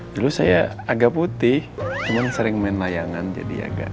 dulu saya agak putih cuman sering main layangan jadi agak